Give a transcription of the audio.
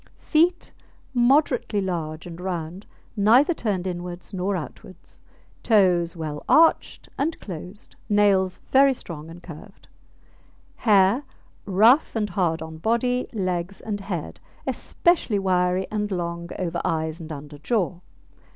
FEET Moderately large and round, neither turned inwards nor outwards; toes well arched and closed, nails very strong and curved. HAIR Rough and hard on body, legs, and head; especially wiry and long over eyes and under jaw.